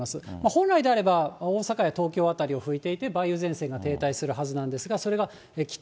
本来であれば、大阪や東京辺りを吹いていて、停滞するはずなんですが、それが北